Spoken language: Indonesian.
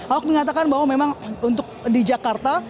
ahok mengatakan bahwa memang untuk di jakarta